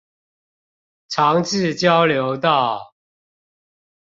長治交流道